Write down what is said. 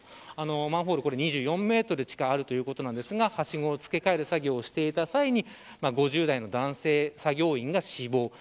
マンホールは２４メートル地下があるということですがはしごを付け替える作業をしている際に５０代の男性作業員が死亡。